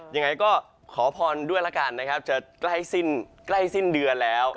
ยังไงก็ขอพอนด้วยล่ะกันจะใกล้สิ้นเดือนแล้ว